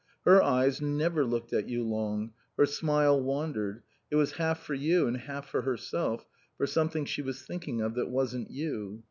Her eyes never looked at you long; her smile wandered, it was half for you and half for herself, for something she was thinking of that wasn't you.